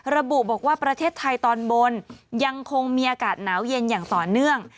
ระบุบอกว่าประเทศไทยตอนบนยังคงมีอากาศหนาวเย็นอย่างต่อเนื่อง